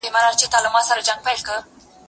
وخت تنظيم کړه؟!